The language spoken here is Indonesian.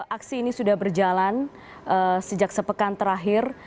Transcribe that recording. aksi ini sudah berjalan sejak sepekan terakhir